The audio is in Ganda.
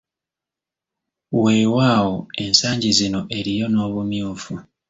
Weewaawo ensangi zino eriyo n’obumyufu.